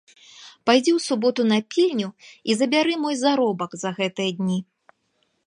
Пайдзі ў суботу на пільню і забяры мой заробак за гэтыя дні.